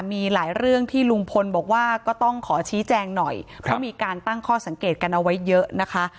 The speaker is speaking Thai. มีหลายเรื่องที่ลุงพลบอกว่าก็ต้องขอชี้แจงหน่อยเพราะมีการตั้งข้อสังเกตกันเอาไว้เยอะนะคะ